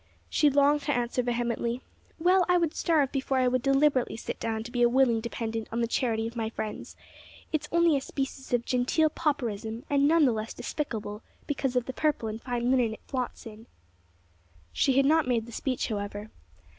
She longed to answer vehemently: "Well, I would starve before I would deliberately sit down to be a willing dependent on the charity of my friends. It's only a species of genteel pauperism, and none the less despicable because of the purple and fine linen it flaunts in." She had not made the speech, however.